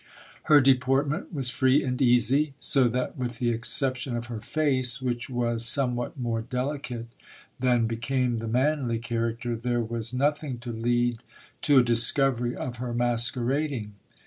He: deportment was free and easy ; so that, with the exception of her face, which waj somewhat more delicate than became the manlv character, there was no ' 136 (ilL BLAS. thing to lead to a discovery of her masquerading.